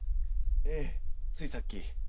ええついさっき。